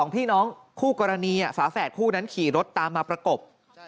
พี่น้องคู่กรณีฝาแฝดคู่นั้นขี่รถตามมาประกบ